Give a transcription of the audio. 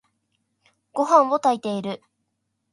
ごはんを炊いている。